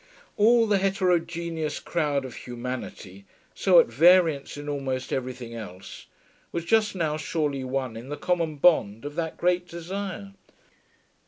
All the heterogeneous crowd of humanity, so at variance in almost everything else, was just now surely one in the common bond of that great desire.